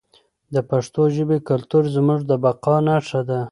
د پښتو ژبې کلتور زموږ د بقا نښه ده.